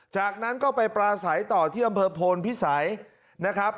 จากนั้นก็ไปปราศัยต่อที่อำเภอโพนพิสัยนะครับ